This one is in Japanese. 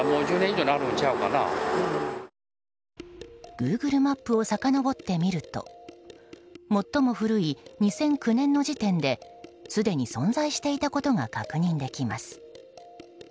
グーグルマップをさかのぼってみると最も古い２００９年の時点ですでに存在していたことが確認できます。